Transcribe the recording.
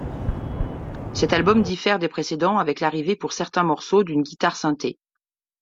Cet album diffère des précédents avec l'arrivée pour certains morceaux d'une guitare synthé.